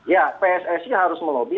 ya pssi harus melobi